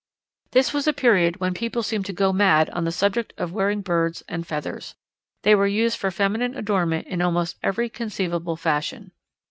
This was a period when people seemed to go mad on the subject of wearing birds and feathers. They were used for feminine adornment in almost every conceivable fashion.